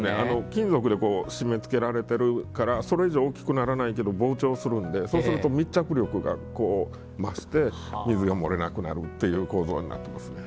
金属でこう締めつけられてるからそれ以上大きくならないけど膨張するんでそうすると密着力が増して水が漏れなくなるっていう構造になってますね。